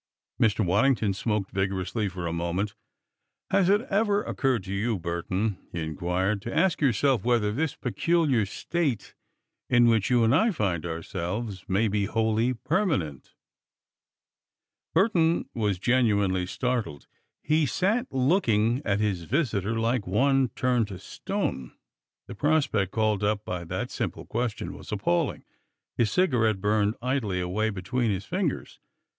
Mr. Waddington smoked vigorously for a moment. "Has it ever occurred to you, Burton," he inquired, "to ask yourself whether this peculiar state, in which you and I find ourselves, may be wholly permanent?" Burton was genuinely startled. He sat looking at his visitor like one turned to stone. The prospect called up by that simple question was appalling. His cigarette burned idly away between his fingers.